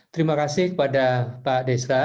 terima kasih kepada pak deska